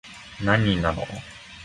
何人なの